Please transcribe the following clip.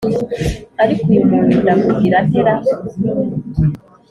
ariko uyu muntu ndamugira nte ra!